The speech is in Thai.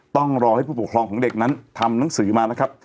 ต้องรอให้ผู้ปกครองของเด็กนั้นทำหนังสือมานะครับ